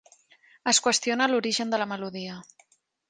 Es qüestiona l'origen de la melodia.